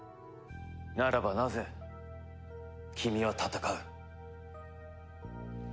ならばなぜ君は戦う？